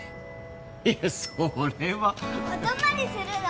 いやそれはお泊まりするの？